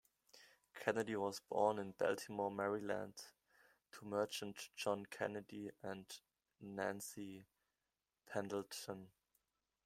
Kennedy was born in Baltimore, Maryland, to merchant John Kennedy and Nancy Pendleton.